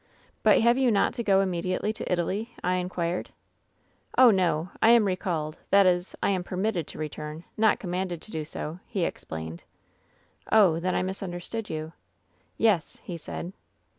^" ^But have you not to go immediately to Italy V 1 inquired. " ^Oh, no ; I am recalled — that is, I am permitted to return, not commanded to do so,' he explained. " *0h, then I misunderstood you/ " ^Yes,' he said.